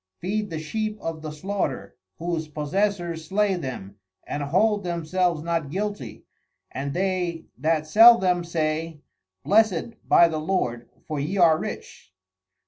_Feed the Sheep of the slaughter, whose Possessors slay them, and hold themselves not guilty, and they that sell them say, Blessed by the Lord, for ye are rich.